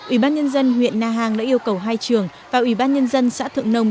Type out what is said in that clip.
ủy ban nhân dân huyện na hàng đã yêu cầu hai trường và ủy ban nhân dân xã thượng nông